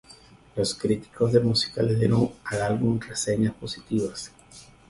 Los críticos de música le dieron al álbum reseñas positivas.